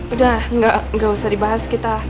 udah gak usah dibahas